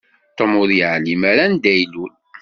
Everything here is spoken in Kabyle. Tom ur yeεlim ara anda ilul.